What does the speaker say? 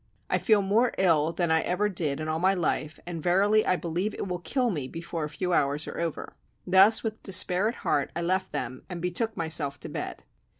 I feel more ill than I ever did in all my life, and verily believe it will kill me before a few hours are over." Thus with despair at heart I left them and betook myself to bed.